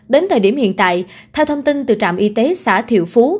đến thời điểm hiện tại theo thông tin từ trạm y tế xã thiệu phú